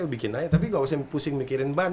bikin aja tapi gak usah pusing mikirin ban